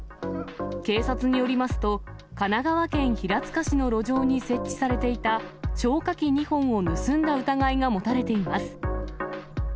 警察によりますと、神奈川県平塚市の路上に設置されていた消火器２本を盗んだ疑いが持たれています。